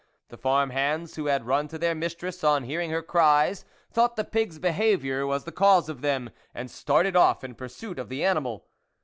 The farm hands, who had run to their mistress on hearing her cries, thought the pig's behaviour was the cause of them and started off in pursuit of the animal.